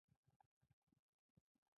نو ولې په دومره ډېرو ځایونو کې خلک د اړیکو